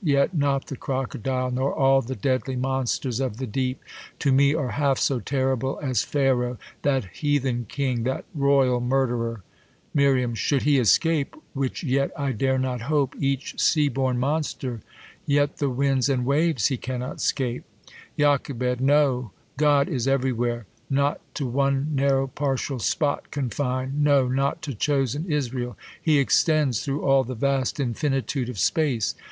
Yet net the crocodile^ Nor all the deadly monsters of the deep, To me are half so terrible as Pharaoh, That heathen king, that royal murderer ! Mir, Should he escape, which yet I uare not hop* Each sea born mon&ter; yet the winds and waves He cannot 'scape. Joch. Know, God is every where ; Not to one narrow, partial spot confin'd ; No, not to chosen Israel. He extends ^ Through all the vast infinitude of space.